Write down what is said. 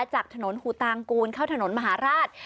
จากถนนหูตางกูลเข้าถนนมหาราช